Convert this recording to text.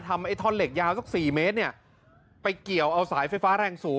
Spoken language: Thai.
ไอ้ท่อนเหล็กยาวสักสี่เมตรเนี่ยไปเกี่ยวเอาสายไฟฟ้าแรงสูง